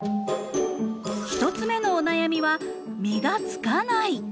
１つ目のお悩みは「実がつかない」。